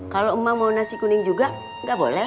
kalau emang mau nasi kuning juga gak boleh